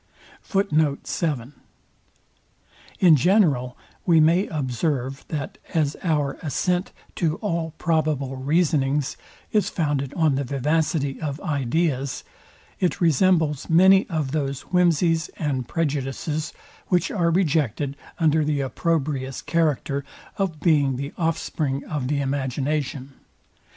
In general we may observe, that as our assent to all probable reasonings is founded on the vivacity of ideas, It resembles many of those whimsies and prejudices, which are rejected under the opprobrious character of being the offspring of the imagination.